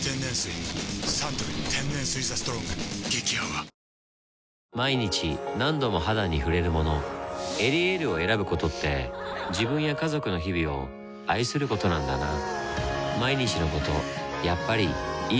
サントリー天然水「ＴＨＥＳＴＲＯＮＧ」激泡毎日何度も肌に触れるもの「エリエール」を選ぶことって自分や家族の日々を愛することなんだなぁ